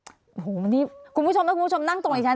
โอ้โหนี่คุณผู้ชมนั่งตรงอย่างฉัน